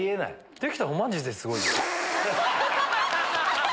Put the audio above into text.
できたらマジですごい。